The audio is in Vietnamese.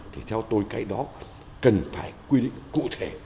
thì theo tôi cái đó cần phải quy định cụ thể